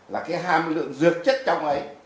là cái hai mươi lượng dược chất trong ấy